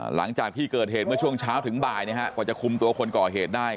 หลังจากที่เกิดเหตุเมื่อช่วงเช้าถึงบ่ายนะฮะกว่าจะคุมตัวคนก่อเหตุได้